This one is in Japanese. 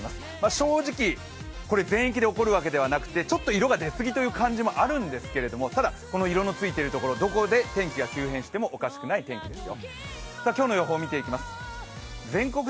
正直、これ全域で起こるわけではなくて、ちょっと色が出すぎという感じもあるんですがただ、この色のついているところどこで天気が急変しても、おかしくない天気です。